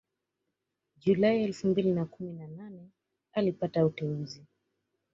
Julai elfu mbili na kumi na nane alipata teuzi